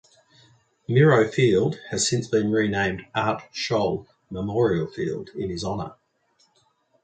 Miro Field has since been renamed Art Scholl Memorial Field in his honor.